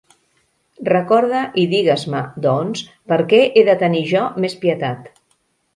Recorda i digues-me, doncs, per què he de tenir jo més pietat.